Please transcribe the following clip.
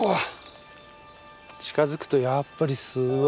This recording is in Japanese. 近づくとやっぱりすごい。